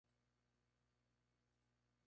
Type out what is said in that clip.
Está situada en el centro de Túnez.